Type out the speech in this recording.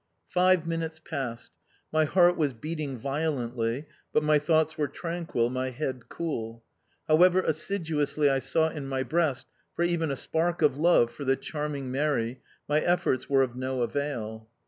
Five minutes passed. My heart was beating violently, but my thoughts were tranquil, my head cool. However assiduously I sought in my breast for even a spark of love for the charming Mary, my efforts were of no avail!